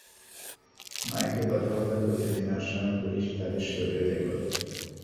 মাইকে কথা বলার প্রস্তুতি নেওয়ার সময় পুলিশ তাঁদের সরে যেতে বলে।